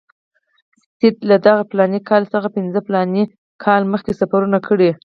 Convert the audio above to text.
سید له دغه فلاني کال څخه پنځه فلاني کاله مخکې سفرونه کړي.